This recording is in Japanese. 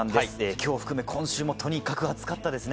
今日含め今週もとにかく暑かったですね。